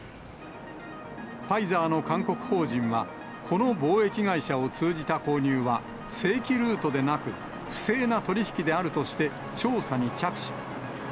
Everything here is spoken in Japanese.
ファイザーの韓国法人は、この貿易会社を通じた購入は、正規ルートでなく、不正な取り引きであるとして、調査に着手。